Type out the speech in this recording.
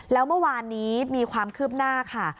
แล้วเมื่อวานนี้มีความคืบหน้าค่ะ